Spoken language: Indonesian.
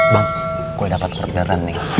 bang gue dapat orderan nih